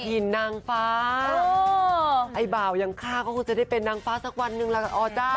กระถิ่นนางฟ้าโอ้ไอ้เบายังค่าก็คงจะได้เป็นนางฟ้าสักวันนึงละกับอ๋อเจ้า